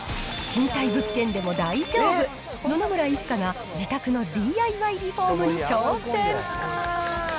賃貸物件でも大丈夫、野々村一家が自宅のＤＩＹリフォームに挑戦。